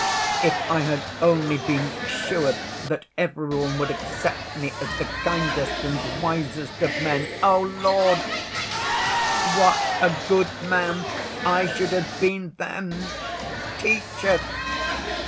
If I had only been sure that every one would accept me as the kindest and wisest of men, oh, Lord, what a good man I should have been then! Teacher!"